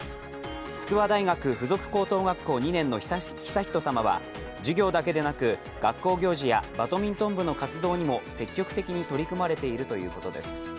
筑波大学付属高等学校２年の悠仁さまは授業だけでなく学校行事やバドミントン部の活動にも積極的に取り組まれているということです。